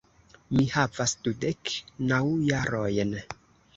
Mi havas dudek naŭ jarojn.